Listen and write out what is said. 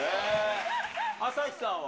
朝日さんは？